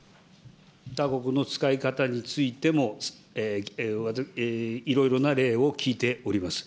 他国の使い方についても、いろいろな例を聞いております。